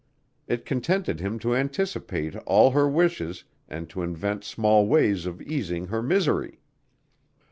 It contented him to anticipate all her wishes and to invent small ways of easing her misery.